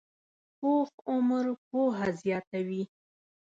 پوخ عمر پوهه زیاته وي